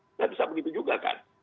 nggak bisa begitu juga kan